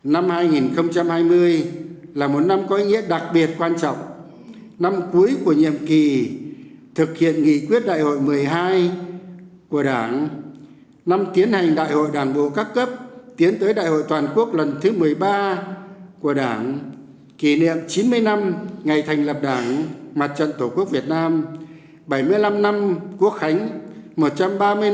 năm hai nghìn hai mươi là một năm có ý nghĩa đặc biệt quan trọng năm cuối của nhiệm kỳ thực hiện nghị quyết đại hội một mươi hai của đảng năm tiến hành đại hội đàn bộ các cấp tiến tới đại hội toàn quốc lần thứ một mươi ba của đảng kỷ niệm chín mươi năm ngày thành lập đảng mặt trận tổ quốc việt nam bảy mươi năm năm quốc khánh một trăm ba mươi năm ngày sinh chủ tịch hồ chí minh